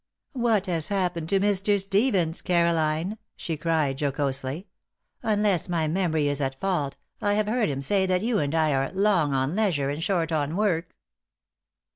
"What has happened to Mr. Stevens, Caroline?" she cried, jocosely. "Unless my memory is at fault, I have heard him say that you and I are 'long on leisure and short on work.